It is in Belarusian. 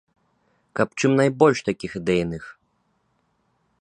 Каб чым найбольш такіх ідэйных!